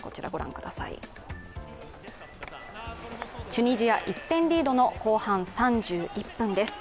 チュニジア１点リードの後半３１分です。